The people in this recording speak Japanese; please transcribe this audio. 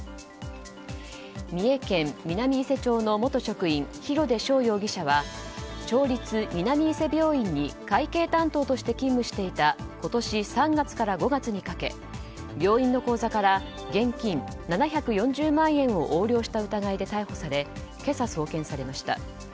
三重県南伊勢町の元職員廣出翔容疑者は町立南伊勢病院に会見担当として勤務していた今年３月から５月にかけ病院の口座から現金７４０万円を横領した疑いで逮捕され今朝、送検されました。